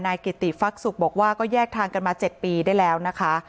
กิติฟักศุกร์บอกว่าก็แยกทางกันมา๗ปีได้แล้วนะคะ